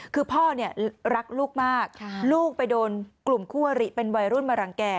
คือพ่อเนี่ยรักลูกมากลูกไปโดนกลุ่มคู่อริเป็นวัยรุ่นมารังแก่